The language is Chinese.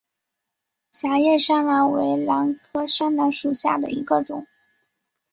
狭叶山兰为兰科山兰属下的一个种。